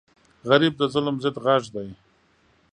غریب د ظلم ضد غږ دی